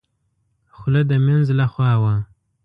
خوله د مينځ له خوا وه.